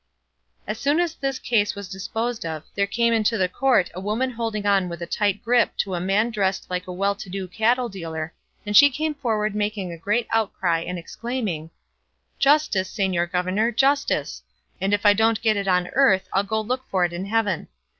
As soon as this case was disposed of, there came into court a woman holding on with a tight grip to a man dressed like a well to do cattle dealer, and she came forward making a great outcry and exclaiming, "Justice, señor governor, justice! and if I don't get it on earth I'll go look for it in heaven.